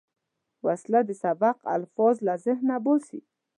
وسله د سبق الفاظ له ذهنه باسي